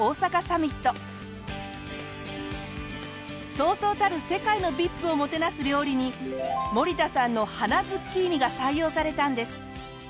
そうそうたる世界のＶＩＰをもてなす料理に森田さんの花ズッキーニが採用されたんです。